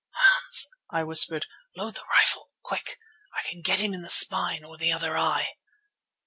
"Hans," I whispered, "load the rifle quick! I can get him in the spine or the other eye."